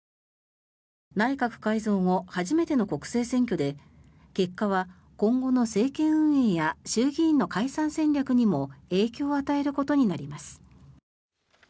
内閣改造後初めての国政選挙で結果は今後の政権運営や衆議院の解散戦略にも影響を与えることになります。